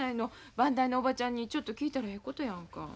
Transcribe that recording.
番台のおばちゃんにちょっと聞いたらええことやんか。